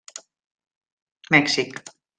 Mèxic.